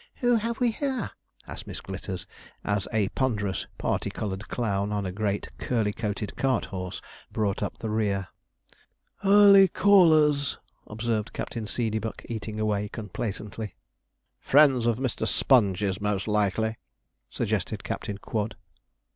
'Who have we here?' asked Miss Glitters, as a ponderous, parti coloured clown, on a great, curly coated cart horse, brought up the rear. 'Early callers,' observed Captain Seedeybuck, eating away complacently. 'Friends of Mr. Sponge's, most likely,' suggested Captain Quod.